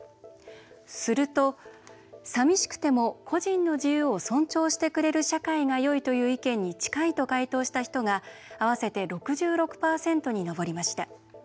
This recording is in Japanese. すると「さみしくても個人の自由を尊重してくれる社会がよいという意見に近い」と回答した人が合わせて６６％に上りました。